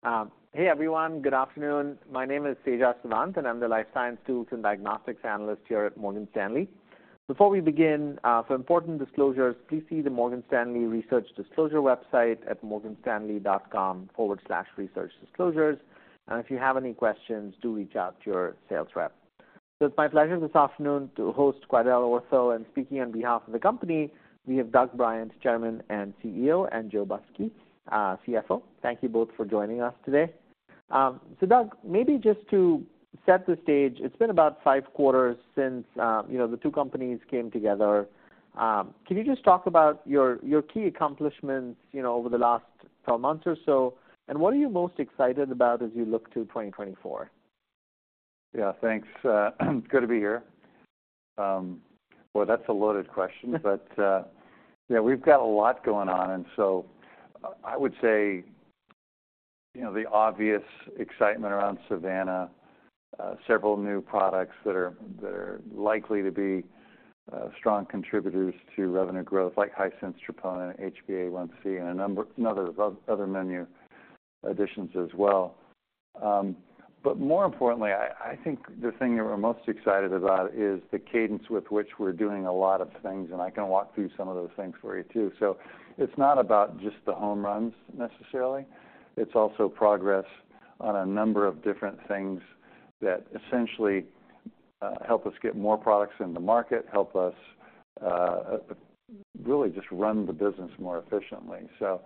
Here we go. Hey, everyone. Good afternoon. My name is Tejas Savant, and I'm the life science tools and diagnostics analyst here at Morgan Stanley. Before we begin, for important disclosures, please see the Morgan Stanley Research Disclosure website at morganstanley.com/researchdisclosures. If you have any questions, do reach out to your sales rep. It's my pleasure this afternoon to host QuidelOrtho, and speaking on behalf of the company, we have Doug Bryant, Chairman and CEO, and Joe Busky, CFO. Thank you both for joining us today. Doug, maybe just to set the stage, it's been about 5 quarters since, you know, the two companies came together. Can you just talk about your key accomplishments, you know, over the last 12 months or so, and what are you most excited about as you look to 2024? Yeah, thanks. Good to be here. Well, that's a loaded question - but, yeah, we've got a lot going on, and so I would say, you know, the obvious excitement around Savanna, several new products that are likely to be strong contributors to revenue growth, like high-sensitivity troponin, HbA1c, and a number of other menu additions as well. But more importantly, I think the thing that we're most excited about is the cadence with which we're doing a lot of things, and I can walk through some of those things for you, too. So it's not about just the home runs necessarily, it's also progress on a number of different things that essentially help us get more products in the market, help us really just run the business more efficiently. So,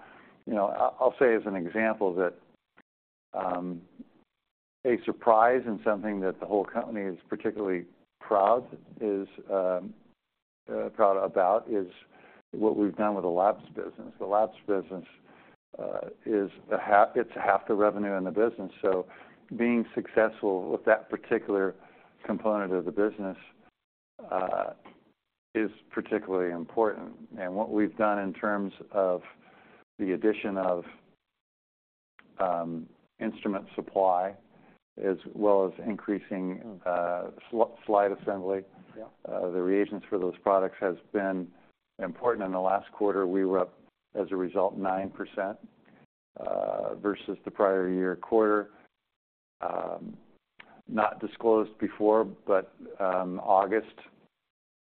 you know, I'll say as an example, that a surprise and something that the whole company is particularly proud about is what we've done with the labs business. The labs business is half the revenue in the business, so being successful with that particular component of the business is particularly important. And what we've done in terms of the addition of instrument supply, as well as increasing slide assembly- Yeah... the reagents for those products, has been important. In the last quarter, we were up, as a result, 9%, versus the prior year quarter. Not disclosed before, but, August,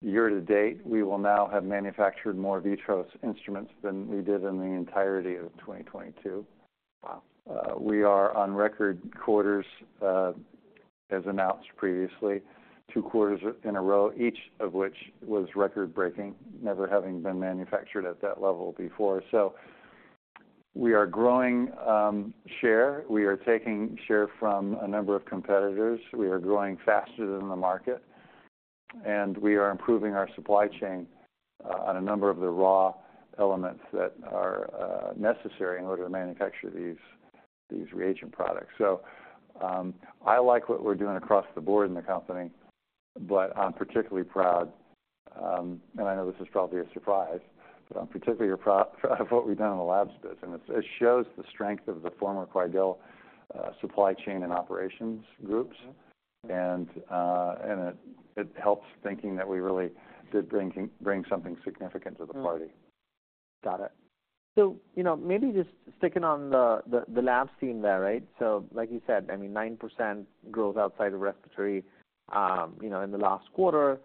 year to date, we will now have manufactured more VITROS instruments than we did in the entirety of 2022. Wow! We are on record quarters, as announced previously, two quarters in a row, each of which was record-breaking, never having been manufactured at that level before. So we are growing share. We are taking share from a number of competitors. We are growing faster than the market, and we are improving our supply chain on a number of the raw elements that are necessary in order to manufacture these, these reagent products. So, I like what we're doing across the board in the company, but I'm particularly proud, and I know this is probably a surprise, but I'm particularly proud of what we've done in the Labs business. It shows the strength of the former Quidel supply chain and operations groups. Mm-hmm. And it helps thinking that we really did bring something significant to the party. Got it. So, you know, maybe just sticking on the lab scene there, right? So, like you said, I mean, 9% growth outside of respiratory, you know, in the last quarter.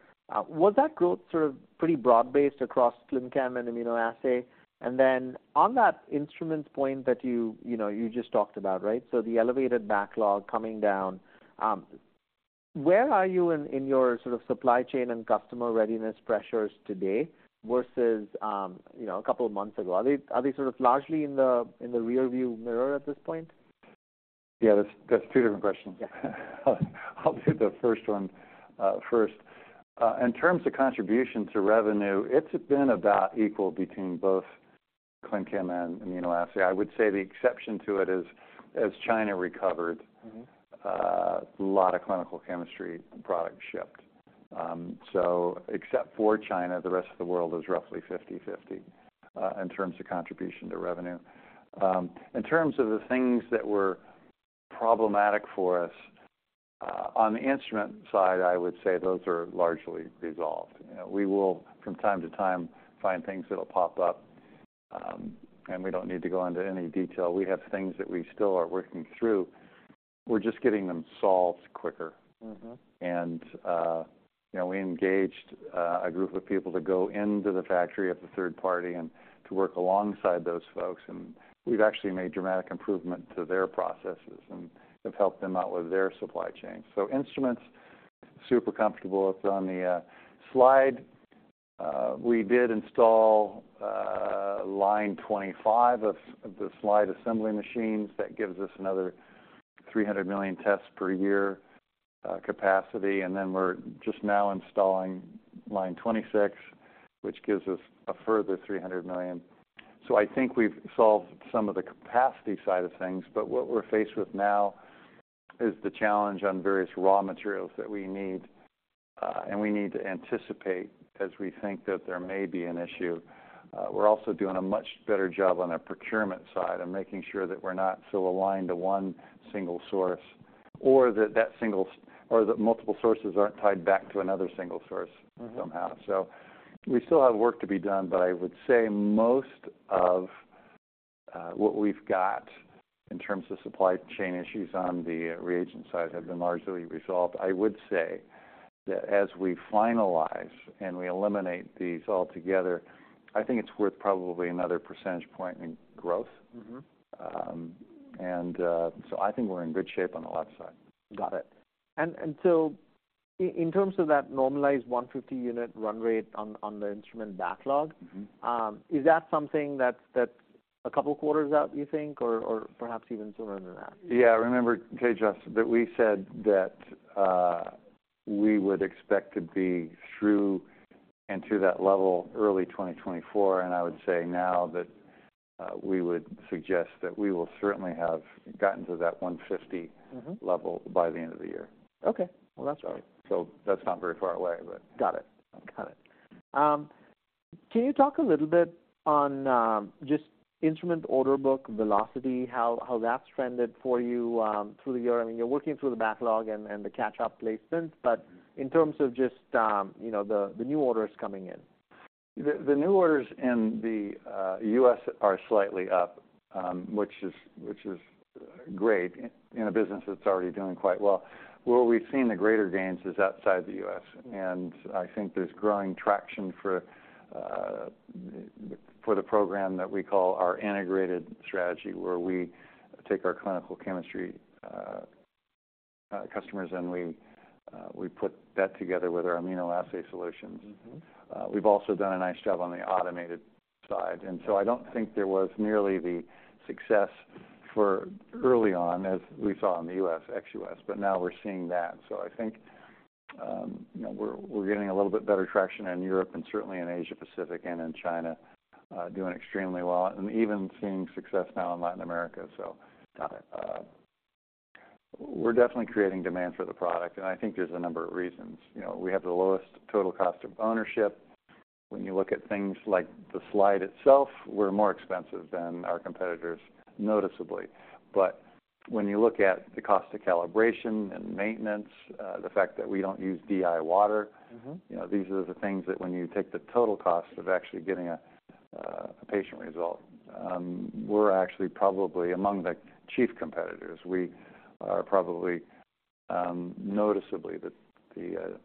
Was that growth sort of pretty broad-based across clin chem and immunoassay? And then on that instrument point that you know just talked about, right, so the elevated backlog coming down, where are you in your sort of supply chain and customer readiness pressures today versus, you know, a couple of months ago? Are they sort of largely in the rearview mirror at this point? Yeah, that's, that's two different questions. Yeah. I'll do the first one, first. In terms of contribution to revenue, it's been about equal between both clin chem and immunoassay. I would say the exception to it is, as China recovered- Mm-hmm... a lot of clinical chemistry product shipped. So except for China, the rest of the world is roughly 50/50, in terms of contribution to revenue. In terms of the things that were problematic for us, on the instrument side, I would say those are largely resolved. You know, we will, from time to time, find things that'll pop up, and we don't need to go into any detail. We have things that we still are working through. We're just getting them solved quicker. Mm-hmm. You know, we engaged a group of people to go into the factory of the third party and to work alongside those folks, and we've actually made dramatic improvement to their processes and have helped them out with their supply chain. So instruments, super comfortable with on the slide. We did install line 25 of the slide assembly machines. That gives us another 300 million tests per year capacity. And then we're just now installing line 26, which gives us a further 300 million. So I think we've solved some of the capacity side of things, but what we're faced with now is the challenge on various raw materials that we need, and we need to anticipate as we think that there may be an issue. We're also doing a much better job on our procurement side and making sure that we're not so aligned to one single source... or that single or that multiple sources aren't tied back to another single source somehow. Mm-hmm. So we still have work to be done, but I would say most of what we've got in terms of supply chain issues on the reagent side have been largely resolved. I would say that as we finalize and we eliminate these altogether, I think it's worth probably another percentage point in growth. Mm-hmm. I think we're in good shape on the lab side. Got it. And so in terms of that normalized 150 unit run rate on the instrument backlog- Mm-hmm. Is that something that's, that's a couple quarters out, you think, or, or perhaps even sooner than that? Yeah. Remember, Tejas, that we said that we would expect to be through and to that level early 2024, and I would say now that we would suggest that we will certainly have gotten to that 150- Mm-hmm... level by the end of the year. Okay. Well, that's great. So that's not very far away, but- Got it. Got it. Can you talk a little bit on, just instrument order book velocity, how that's trended for you, through the year? I mean, you're working through the backlog and the catch-up placements, but in terms of just, you know, the new orders coming in. The new orders in the U.S. are slightly up, which is great in a business that's already doing quite well. Where we've seen the greater gains is outside the U.S., and I think there's growing traction for the program that we call our integrated strategy, where we take our clinical chemistry customers, and we put that together with our immunoassay solutions. Mm-hmm. We've also done a nice job on the automated side, and so I don't think there was nearly the success for early on as we saw in the U.S., ex-U.S., but now we're seeing that. So I think, you know, we're getting a little bit better traction in Europe and certainly in Asia Pacific and in China, doing extremely well and even seeing success now in Latin America. So- Got it. We're definitely creating demand for the product, and I think there's a number of reasons. You know, we have the lowest total cost of ownership. When you look at things like the slide itself, we're more expensive than our competitors, noticeably. But when you look at the cost of calibration and maintenance, the fact that we don't use DI water- Mm-hmm... you know, these are the things that when you take the total cost of actually getting a patient result, we're actually probably among the chief competitors. We are probably noticeably the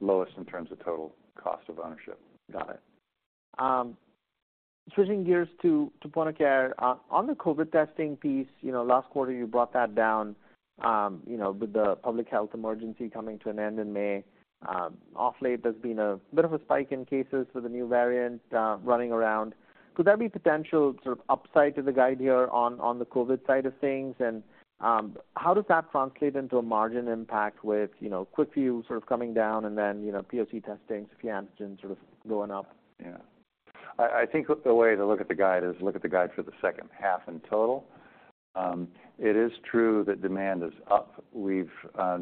lowest in terms of total cost of ownership. Got it. Switching gears to Point-of-Care. On the COVID testing piece, you know, last quarter you brought that down, you know, with the public health emergency coming to an end in May. Of late, there's been a bit of a spike in cases with a new variant running around. Could there be potential sort of upside to the guide here on the COVID side of things? And how does that translate into a margin impact with, you know, QuickVue sort of coming down and then, you know, POC testing, Sofia Antigen, sort of going up? Yeah. I think the way to look at the guide is look at the guide for the second half in total. It is true that demand is up. We've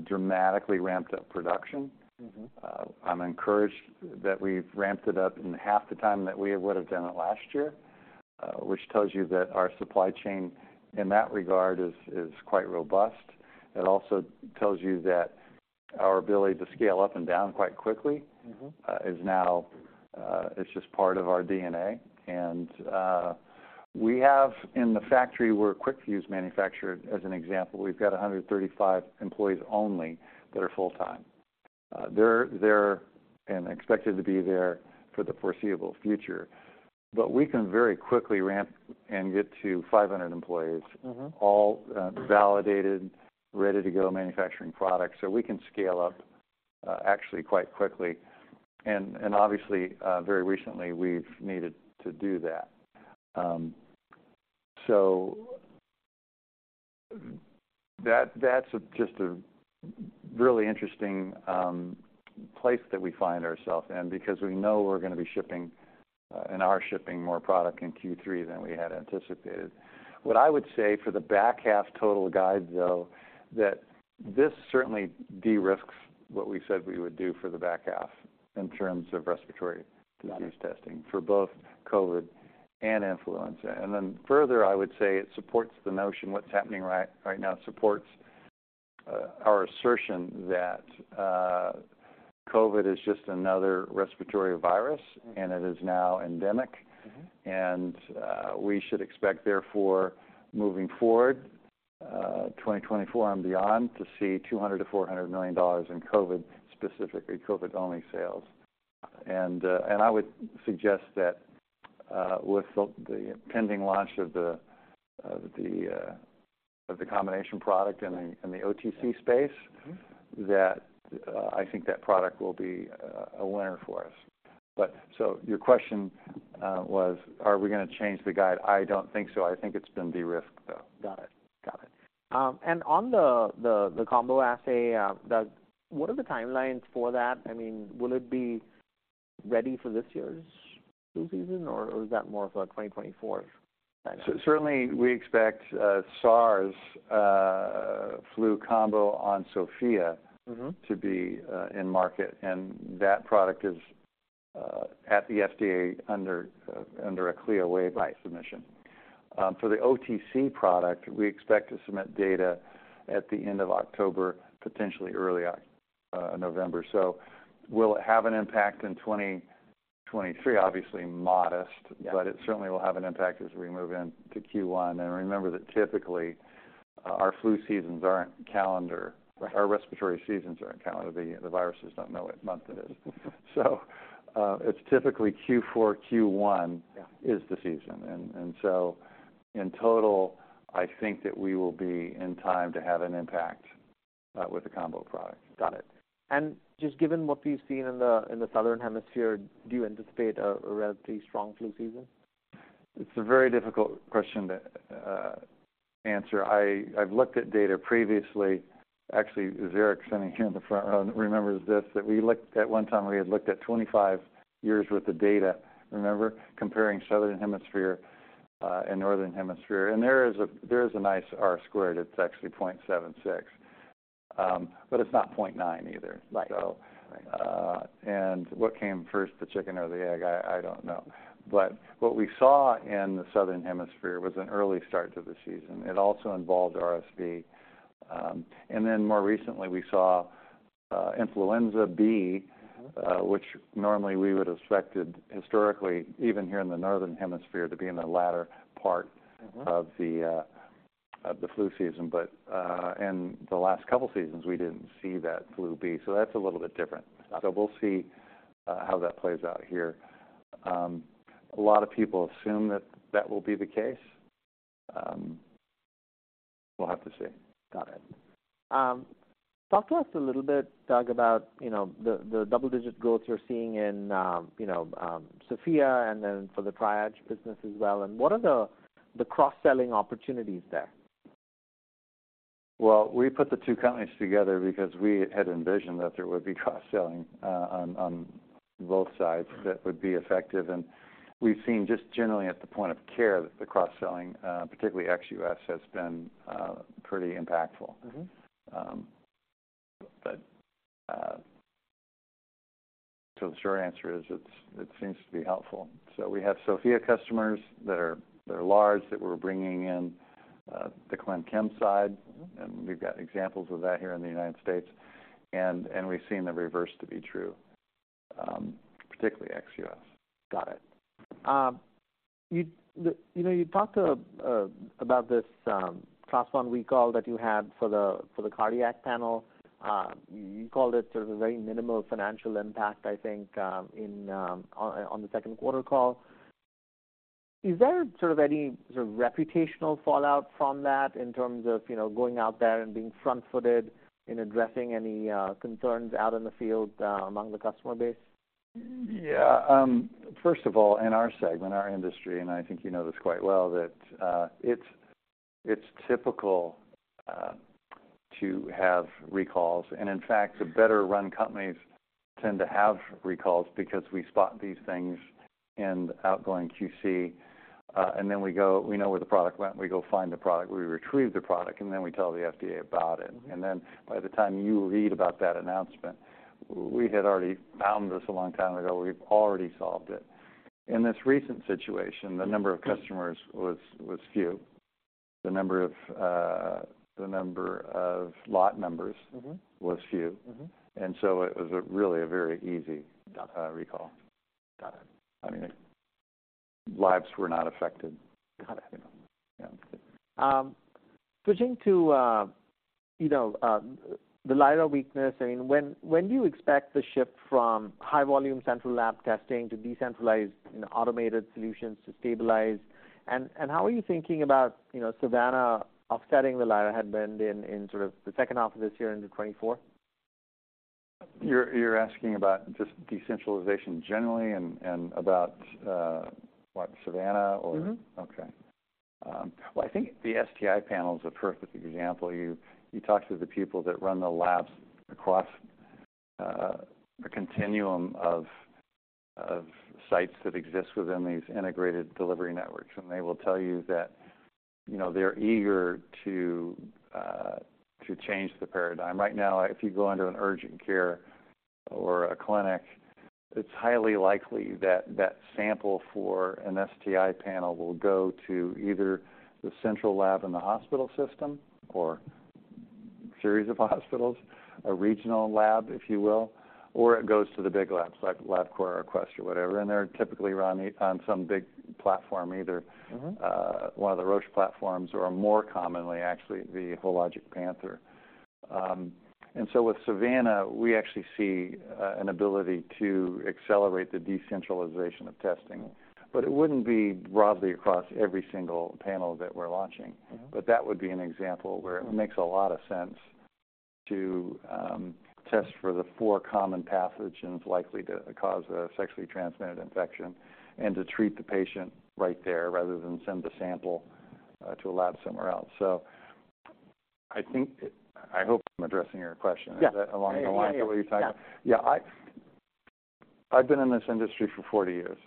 dramatically ramped up production. Mm-hmm. I'm encouraged that we've ramped it up in half the time that we would have done it last year, which tells you that our supply chain in that regard is quite robust. It also tells you that our ability to scale up and down quite quickly- Mm-hmm ...is now, it's just part of our DNA. We have in the factory where QuickVue is manufactured, as an example, we've got 135 employees only that are full-time. They're and expected to be there for the foreseeable future, but we can very quickly ramp and get to 500 employees- Mm-hmm... all, validated, ready to go manufacturing products. So we can scale up, actually quite quickly. And, obviously, very recently, we've needed to do that. So that, that's just a really interesting place that we find ourselves in, because we know we're gonna be shipping and are shipping more product in Q3 than we had anticipated. What I would say for the back half total guide, though, that this certainly de-risks what we said we would do for the back half in terms of respiratory disease testing- Got it... for both COVID and influenza. And then further, I would say it supports the notion, what's happening right, right now, supports our assertion that COVID is just another respiratory virus, and it is now endemic. Mm-hmm. We should expect, therefore, moving forward, 2024 and beyond, to see $200 million-$400 million in COVID, specifically COVID-only sales. I would suggest that, with the pending launch of the combination product in the OTC space- Mm-hmm... that, I think that product will be a winner for us. But so your question was: Are we gonna change the guide? I don't think so. I think it's been de-risked, though. Got it. Got it. And on the combo assay, what are the timelines for that? I mean, will it be ready for this year's flu season, or is that more for 2024? So certainly, we expect SARS flu combo on Sofia- Mm-hmm... to be in market, and that product is at the FDA under a CLIA waiver- Right submission. For the OTC product, we expect to submit data at the end of October, potentially early November. So will it have an impact in 2023? Obviously modest- Yeah. But it certainly will have an impact as we move into Q1. And remember that typically, our flu seasons aren't calendar. Right. Our respiratory seasons aren't calendar. The viruses don't know what month it is. So, it's typically Q4, Q1- Yeah This is the season. And so in total, I think that we will be in time to have an impact with the combo product. Got it. And just given what we've seen in the Southern Hemisphere, do you anticipate a relatively strong flu season? It's a very difficult question to answer. I've looked at data previously. Actually, Zarek, standing here in the front row, remembers this, that we looked at one time, we had looked at 25 years worth of data, remember? Comparing Southern Hemisphere and Northern Hemisphere. And there is a nice R squared. It's actually 0.76, but it's not 0.9 either. Right. And what came first, the chicken or the egg? I don't know. But what we saw in the Southern Hemisphere was an early start to the season. It also involved RSV. And then more recently, we saw Influenza B- Mm-hmm... which normally we would have expected historically, even here in the Northern Hemisphere, to be in the latter part- Mm-hmm... of the flu season. But, in the last couple of seasons, we didn't see that flu B, so that's a little bit different. Got it. We'll see how that plays out here. A lot of people assume that that will be the case. We'll have to see. Got it. Talk to us a little bit, Doug, about, you know, the double-digit growth you're seeing in, you know, Sofia, and then for the Triage business as well, and what are the cross-selling opportunities there? Well, we put the two companies together because we had envisioned that there would be cross-selling on both sides that would be effective. We've seen just generally at the point-of-care that the cross-selling, particularly ex U.S., has been pretty impactful. Mm-hmm. But the short answer is, it seems to be helpful. So we have Sofia customers that are large, that we're bringing in the clin chem side. Mm-hmm. We've got examples of that here in the United States, and we've seen the reverse to be true, particularly ex US. Got it. You know, you talked about this Class I recall that you had for the cardiac panel. You called it sort of a very minimal financial impact, I think, in on the second quarter call. Is there sort of any sort of reputational fallout from that in terms of, you know, going out there and being front-footed in addressing any concerns out in the field among the customer base? Yeah, first of all, in our segment, our industry, and I think you know this quite well, that it's, it's typical to have recalls. And in fact, the better run companies tend to have recalls because we spot these things in outgoing QC, and then we go. We know where the product went, we go find the product, we retrieve the product, and then we tell the FDA about it. And then by the time you read about that announcement, we had already found this a long time ago. We've already solved it. In this recent situation, the number of customers was, was few. The number of, the number of lot numbers- Mm-hmm... was few. Mm-hmm. And so it was a really very easy recall. Got it. I mean, lives were not affected. Got it. You know? Yeah. Switching to, you know, the Lyra weakness. I mean, when do you expect the shift from high-volume central lab testing to decentralized and automated solutions to stabilize? And how are you thinking about, you know, Savannah offsetting the Lyra headwind in sort of the second half of this year into 2024? You're asking about just decentralization generally and about what, Savannah or? Mm-hmm. Okay. Well, I think the STI panel is a perfect example. You, you talk to the people that run the labs across, a continuum of, of sites that exist within these integrated delivery networks, and they will tell you that, you know, they're eager to, to change the paradigm. Right now, if you go into an urgent care or a clinic, it's highly likely that that sample for an STI panel will go to either the central lab in the hospital system or series of hospitals, a regional lab, if you will, or it goes to the big labs like Labcorp or Quest or whatever. And they're typically run on, on some big platform, either- Mm-hmm... one of the Roche platforms, or more commonly, actually, the Hologic Panther. And so with Savannah, we actually see an ability to accelerate the decentralization of testing, but it wouldn't be broadly across every single panel that we're launching. Mm-hmm. But that would be an example where it makes a lot of sense to test for the four common pathogens likely to cause a sexually transmitted infection, and to treat the patient right there, rather than send the sample to a lab somewhere else. So I think... I hope I'm addressing your question. Yeah. Is that along the lines of what you're talking? Yeah. Yeah, I've been in this industry for 40 years.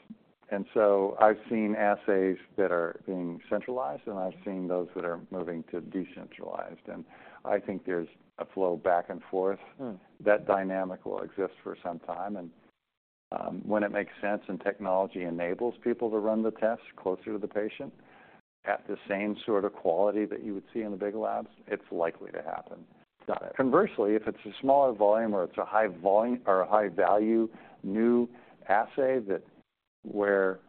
And so I've seen assays that are being centralized, and I've seen those that are moving to decentralized. And I think there's a flow back and forth. Mm-hmm. That dynamic will exist for some time, and, when it makes sense, and technology enables people to run the test closer to the patient, at the same sort of quality that you would see in the big labs, it's likely to happen. Got it. Conversely, if it's a smaller volume or it's a high volume or a high value new assay that, where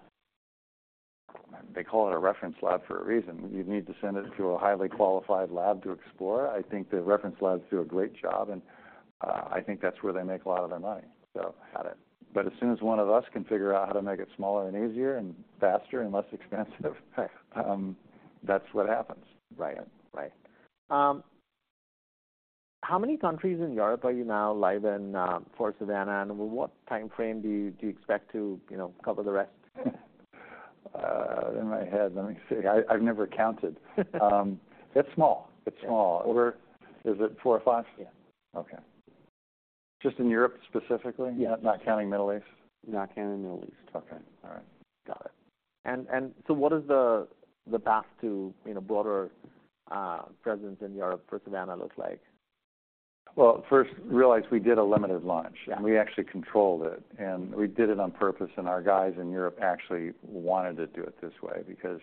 they call it a reference lab for a reason, you need to send it to a highly qualified lab to explore. I think the reference labs do a great job, and I think that's where they make a lot of their money, so. Got it. But as soon as one of us can figure out how to make it smaller and easier and faster and less expensive, that's what happens. Right. Right. How many countries in Europe are you now live in for Savannah? And what timeframe do you expect to, you know, cover the rest? In my head, let me see. I've never counted. It's small. It's small. Over- Is it four or five? Yeah. Okay. Just in Europe, specifically? Yeah. Not counting Middle East? Not counting Middle East. Okay. All right. Got it. And so what is the path to, you know, broader presence in Europe for Savannah look like? Well, first, realize we did a limited launch- Yeah. We actually controlled it, and we did it on purpose, and our guys in Europe actually wanted to do it this way because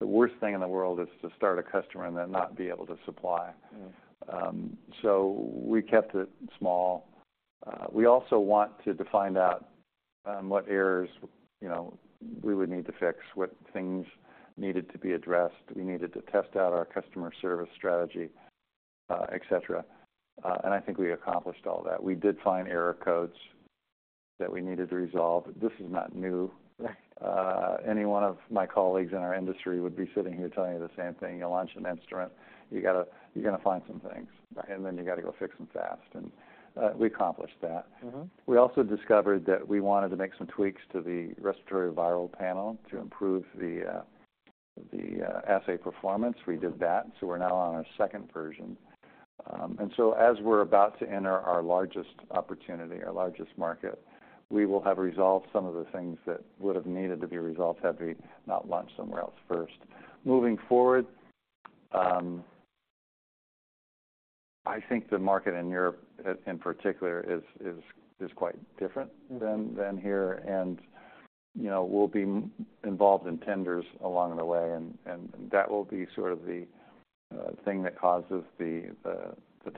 the worst thing in the world is to start a customer and then not be able to supply. Mm-hmm. So we kept it small. We also want to find out what errors, you know, we would need to fix, what things needed to be addressed. We needed to test out our customer service strategy, et cetera, and I think we accomplished all that. We did find error codes that we needed to resolve. This is not new. Right. Any one of my colleagues in our industry would be sitting here telling you the same thing. You launch an instrument, you're gonna find some things. Right. And then you gotta go fix them fast, and we accomplished that. Mm-hmm. We also discovered that we wanted to make some tweaks to the Respiratory Viral Panel to improve the assay performance. We did that, so we're now on our second version. And so as we're about to enter our largest opportunity, our largest market, we will have resolved some of the things that would have needed to be resolved had we not launched somewhere else first. Moving forward, I think the market in Europe, in particular, is quite different- Mm-hmm... than here. And, you know, we'll be involved in tenders along the way, and that will be sort of the thing that causes the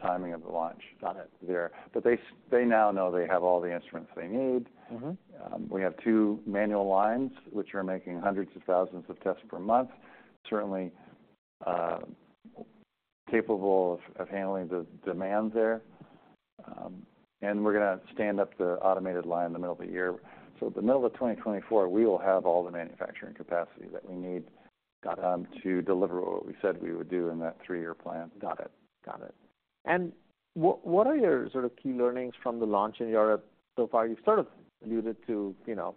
timing of the launch- Got it There. But they now know they have all the instruments they need. Mm-hmm. We have two manual lines, which are making hundreds of thousands of tests per month, certainly, capable of handling the demand there. And we're gonna stand up the automated line in the middle of the year. So the middle of 2024, we will have all the manufacturing capacity that we need. Got it... to deliver what we said we would do in that three-year plan. Got it. Got it. And what are your sort of key learnings from the launch in Europe so far? You've sort of alluded to, you know,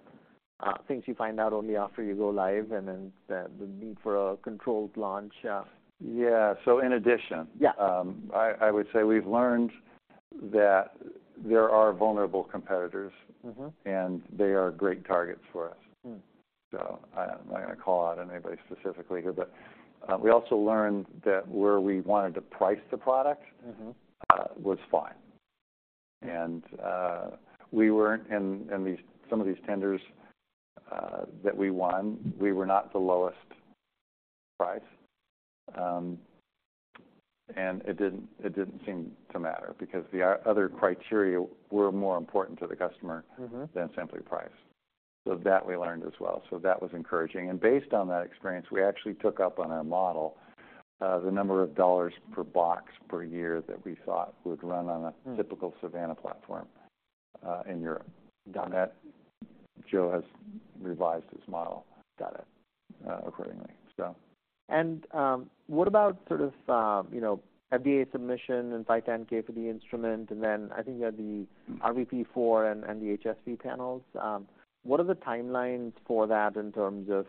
things you find out only after you go live and then the need for a controlled launch. Yeah. So in addition- Yeah... I would say we've learned that there are vulnerable competitors. Mm-hmm. They are great targets for us. Mm. I'm not gonna call out anybody specifically here, but we also learned that where we wanted to price the product- Mm-hmm... was fine. And, we weren't in some of these tenders that we won, we were not the lowest price. And it didn't seem to matter because the other criteria were more important to the customer. Mm-hmm... than simply price. So that we learned as well, so that was encouraging. And based on that experience, we actually took up on our model, the number of dollars per box per year that we thought would run on a- Mm... typical Savannah platform, in Europe. Got it. Joe has revised his model- Got it... accordingly, so. What about sort of, you know, FDA submission and 510(k) for the instrument, and then I think you had the RVP-4 and the HSV panels. What are the timelines for that in terms of,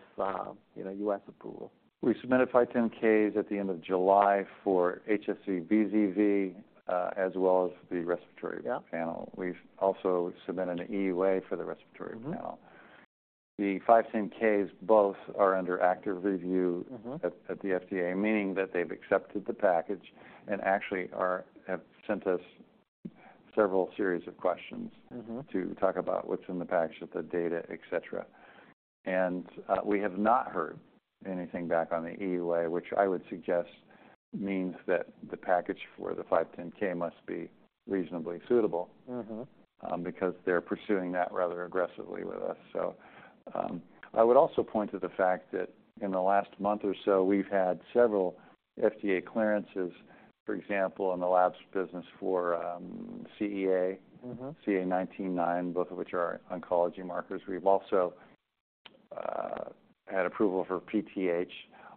you know, U.S. approval? We submitted five 510(k)s at the end of July for HSV/VZV, as well as the respiratory- Yeah... panel. We've also submitted an EUA for the respiratory panel. Mm-hmm. The 510(k)s both are under active review- Mm-hmm... at the FDA, meaning that they've accepted the package and actually have sent us several series of questions- Mm-hmm... to talk about what's in the package, with the data, et cetera. And, we have not heard anything back on the EUA, which I would suggest means that the package for the 510(k) must be reasonably suitable- Mm-hmm... because they're pursuing that rather aggressively with us. So, I would also point to the fact that in the last month or so, we've had several FDA clearances, for example, in the labs business for, CEA- Mm-hmm CA 19-9, both of which are oncology markers. We've also had approval for PTH.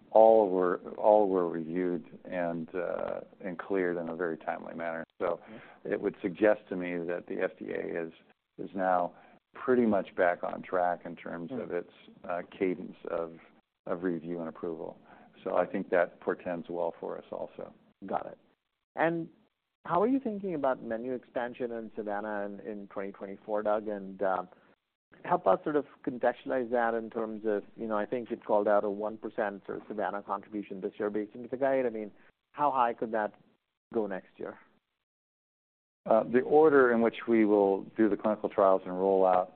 All were reviewed and cleared in a very timely manner. So it would suggest to me that the FDA is now pretty much back on track in terms of its cadence of review and approval. So I think that portends well for us also. Got it... And how are you thinking about menu expansion in Savannah in 2024, Doug? And help us sort of contextualize that in terms of, you know, I think you'd called out a 1% sort of Savannah contribution this year, based on the guide. I mean, how high could that go next year? The order in which we will do the clinical trials and roll out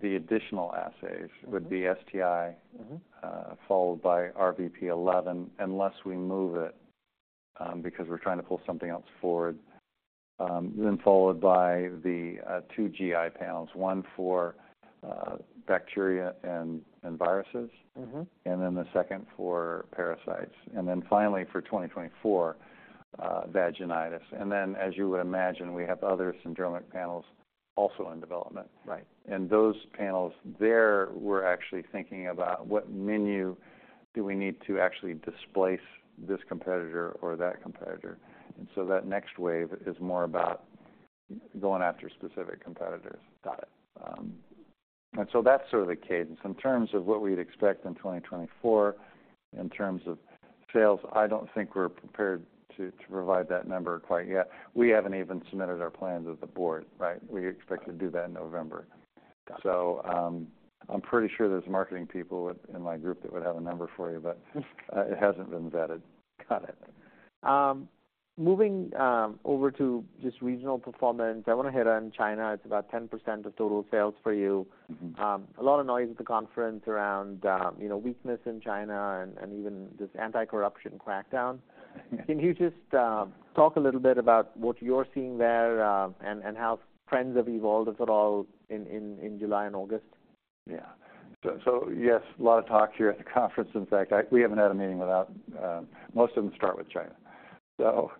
the additional assays would be STI, followed by RVP-11, unless we move it, because we're trying to pull something else forward. Then followed by the two GI panels, one for bacteria and viruses- Mm-hmm. -and then the second for parasites. And then finally, for 2024, vaginitis. And then, as you would imagine, we have other syndromic panels also in development. Right. Those panels there, we're actually thinking about what menu do we need to actually displace this competitor or that competitor. So that next wave is more about going after specific competitors. Got it. And so that's sort of the cadence. In terms of what we'd expect in 2024, in terms of sales, I don't think we're prepared to provide that number quite yet. We haven't even submitted our plans with the board, right? We expect to do that in November. Got it. I'm pretty sure there's marketing people with in my group that would have a number for you, but it hasn't been vetted. Got it. Moving over to just regional performance, I want to hit on China. It's about 10% of total sales for you. Mm-hmm. A lot of noise at the conference around, you know, weakness in China and even this anti-corruption crackdown. Mm-hmm. Can you just talk a little bit about what you're seeing there, and how trends have evolved, if at all, in July and August? Yeah. So yes, a lot of talk here at the conference. In fact, we haven't had a meeting without, most of them start with China. So,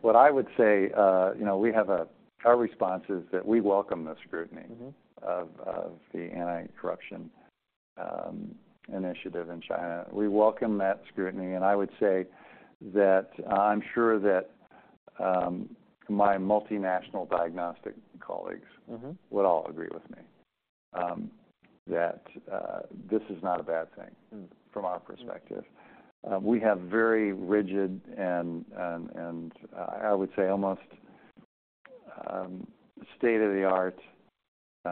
what I would say, you know, we have a... Our response is that we welcome the scrutiny- Mm-hmm. of the anti-corruption initiative in China. We welcome that scrutiny, and I would say that I'm sure that, my multinational diagnostic colleagues- Mm-hmm -would all agree with me that this is not a bad thing- Mm. from our perspective. We have very rigid and I would say almost state-of-the-art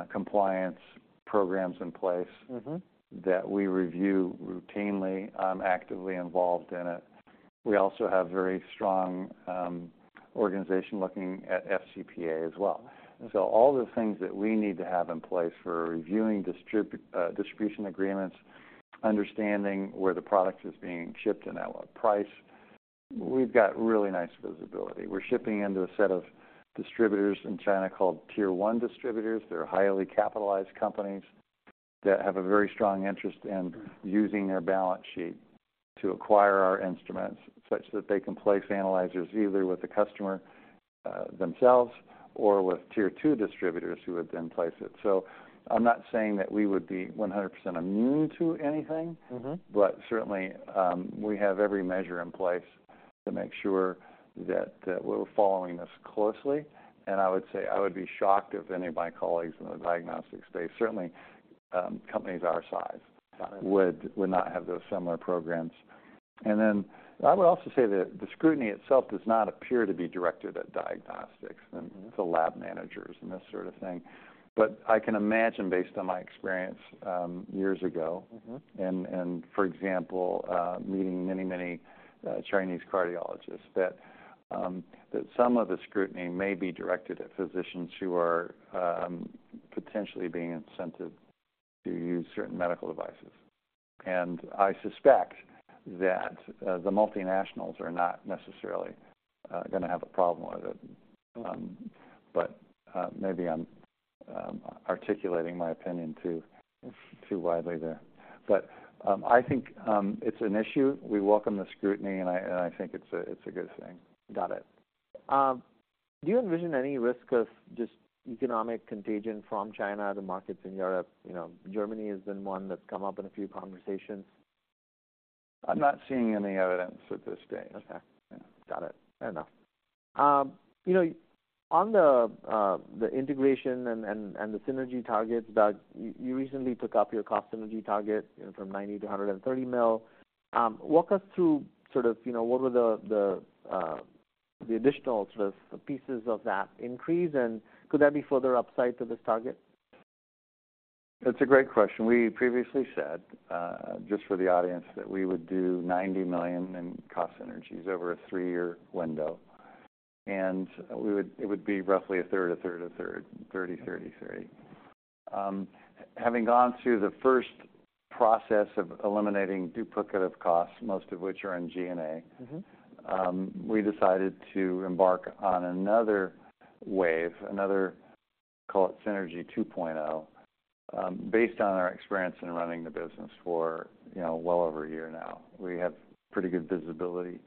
compliance programs in place. Mm-hmm -that we review routinely. I'm actively involved in it. We also have very strong organization looking at FCPA as well. Mm-hmm. So all the things that we need to have in place for reviewing distribution agreements, understanding where the product is being shipped and at what price, we've got really nice visibility. We're shipping into a set of distributors in China called Tier One Distributors. They're highly capitalized companies that have a very strong interest in using their balance sheet to acquire our instruments, such that they can place analyzers either with the customer themselves, or with Tier Two distributors, who would then place it. So I'm not saying that we would be 100% immune to anything- Mm-hmm But certainly, we have every measure in place to make sure that we're following this closely. And I would say, I would be shocked if any of my colleagues in the diagnostic space, certainly, companies our size- Got it... would not have those similar programs. And then I would also say that the scrutiny itself does not appear to be directed at diagnostics- Mm-hmm -and the lab managers and this sort of thing. But I can imagine, based on my experience, years ago- Mm-hmm And for example, meeting many, many Chinese cardiologists, that some of the scrutiny may be directed at physicians who are potentially being incented to use certain medical devices. And I suspect that the multinationals are not necessarily gonna have a problem with it. But maybe I'm articulating my opinion too, too widely there. But I think it's an issue. We welcome the scrutiny, and I, and I think it's a, it's a good thing. Got it. Do you envision any risk of just economic contagion from China, the markets in Europe? You know, Germany has been one that's come up in a few conversations. I'm not seeing any evidence at this stage. Okay. Yeah. Got it. Fair enough. You know, on the integration and the synergy targets, Doug, you recently took up your cost synergy target, you know, from $90 million to $130 million. Walk us through sort of, you know, what were the additional sort of pieces of that increase, and could there be further upside to this target? That's a great question. We previously said, just for the audience, that we would do $90 million in cost synergies over a three-year window, and we would- it would be roughly a third, a third, a third. 30, 30, 30. Having gone through the first process of eliminating duplicative costs, most of which are in G&A- Mm-hmm... we decided to embark on another wave, another, call it Synergy 2.0, based on our experience in running the business for, you know, well over a year now. We have pretty good visibility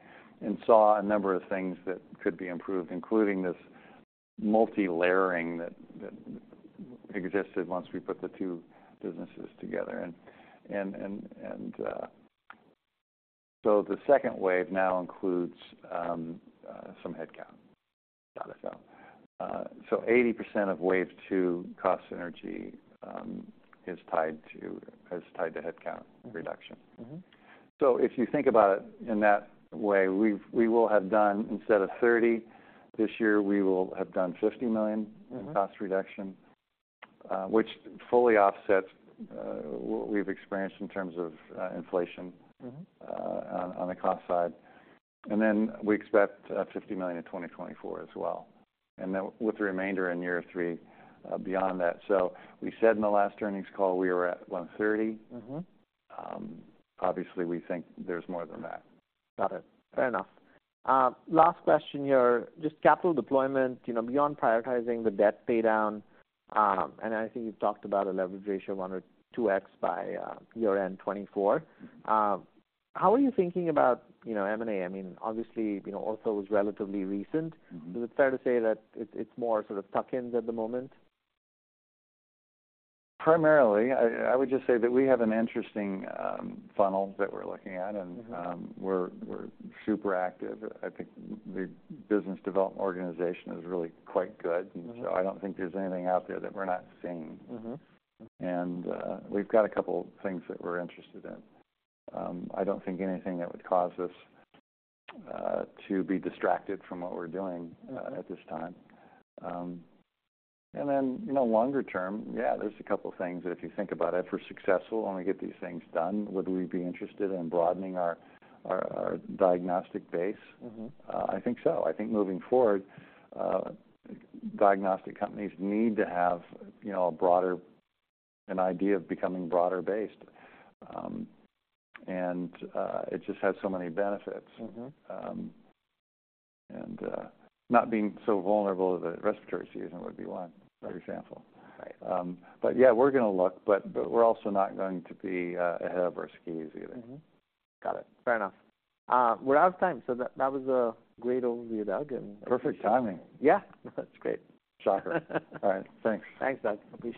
and saw a number of things that could be improved, including this multi-layering that existed once we put the two businesses together. So the second wave now includes some headcount.... Got it. So, so 80% of wave two cost synergy is tied to headcount reduction. Mm-hmm. So if you think about it in that way, we will have done, instead of 30, this year, we will have done 50 million- Mm-hmm... in cost reduction, which fully offsets what we've experienced in terms of inflation- Mm-hmm On the cost side. And then we expect $50 million in 2024 as well, and then with the remainder in year three beyond that. So we said in the last earnings call, we were at $130. Mm-hmm. Obviously, we think there's more than that. Got it. Fair enough. Last question here, just capital deployment, you know, beyond prioritizing the debt paydown, and I think you've talked about a leverage ratio of under 2x by year-end 2024. How are you thinking about, you know, M&A? I mean, obviously, you know, Ortho is relatively recent. Mm-hmm. Is it fair to say that it's, it's more sort of tuck-ins at the moment? Primarily, I would just say that we have an interesting funnel that we're looking at- Mm-hmm... and we're super active. I think the business development organization is really quite good. Mm-hmm. I don't think there's anything out there that we're not seeing. Mm-hmm. And, we've got a couple things that we're interested in. I don't think anything that would cause us to be distracted from what we're doing at this time. And then, you know, longer term, yeah, there's a couple of things. If you think about it, if we're successful and we get these things done, would we be interested in broadening our diagnostic base? Mm-hmm. I think so. I think moving forward, diagnostic companies need to have, you know, a broader, an idea of becoming broader based. It just has so many benefits. Mm-hmm. Not being so vulnerable to the respiratory season would be one better example. Right. But yeah, we're gonna look, but we're also not going to be ahead of our skis either. Mm-hmm. Got it. Fair enough. We're out of time, so that, that was a great overview, Doug, and- Perfect timing. Yeah, that's great. Shocker. All right, thanks. Thanks, Doug. Appreciate it.